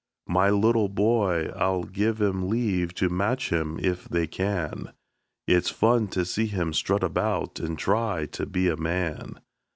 My little boy I'll give 'em leave to match him, if they can; It's fun to see him strut about, and try to be a man!